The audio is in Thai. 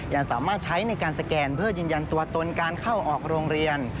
ยังสามารถใช้ในการสแกนเพื่อยืนยันตัวตนการเข้าออกโรงเรียน